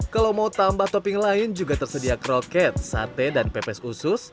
kalau mau tambah topping lain juga tersedia kroket sate dan pepes usus